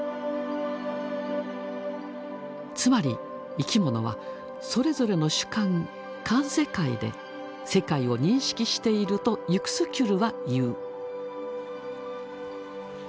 つまり生き物はそれぞれの主観「環世界」で世界を認識しているとユクスキュルは言う。